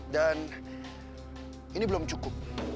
dan ini belum cukup